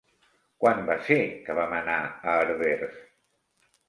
Quan va ser que vam anar a Herbers?